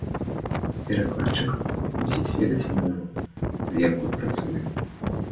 Перакладчык мусіць ведаць мову, з якой працуе.